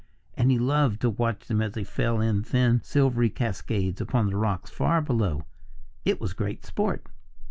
And he loved to watch them as they fell in thin, silvery cascades upon the rocks far below. It was great sport.